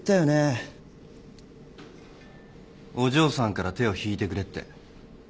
お嬢さんから手を引いてくれって。